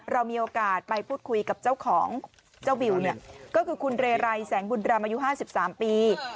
เรามีโอกาสไปพูดคุยกับเจ้าของเจ้าวิวเนี่ยก็คือคุณเรไรแสงบุญรำอายุ๕๓ปี